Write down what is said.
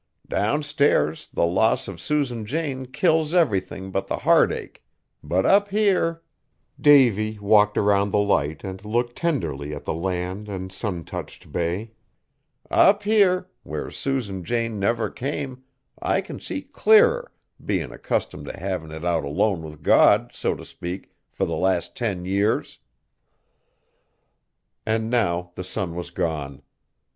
Downstairs the loss of Susan Jane kills everything but the heartache; but up here," Davy walked around the Light, and looked tenderly at the land and sun touched bay, "up here, where Susan Jane never came, I can see clearer, bein' accustomed t' havin' it out alone with God, so t' speak, fur the last ten years!" And now the sun was gone!